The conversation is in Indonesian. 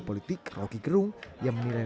politik roky gerung yang menilai